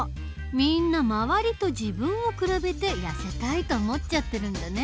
みんな周りと自分を比べてやせたいと思っちゃってるんだね。